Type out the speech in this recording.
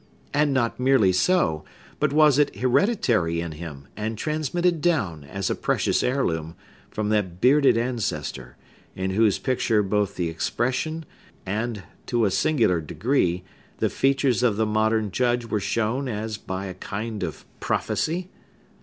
And not merely so, but was it hereditary in him, and transmitted down, as a precious heirloom, from that bearded ancestor, in whose picture both the expression and, to a singular degree, the features of the modern Judge were shown as by a kind of prophecy?